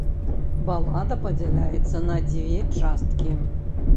Балада падзяляецца на дзве часткі.